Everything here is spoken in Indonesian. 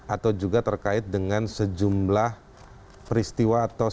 atau juga terkait dengan sejumlah peristiwa atau